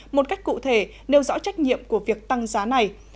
một cách cụ thể nêu rõ trách nhiệm của việc tăng giá này